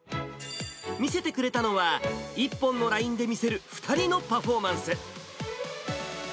見せてくれたのは、１本のラインで見せる２人のパフォーマンス。